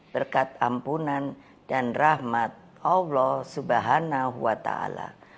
berkat ampunan dan rahmat allah subhanahu wa ta ala